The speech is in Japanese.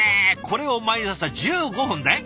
これを毎朝１５分で？